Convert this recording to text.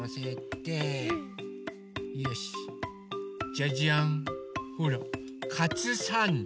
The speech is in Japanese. じゃじゃん。ほらカツサンド。